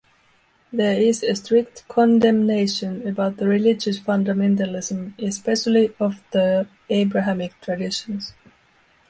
There is a strict condemnation about the religious fundamentalism especially of the Abrahamic traditions.